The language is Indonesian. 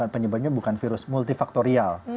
penyebabnya bukan virus multifaktorial